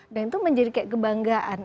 dan itu menjadi kayak kebanggaan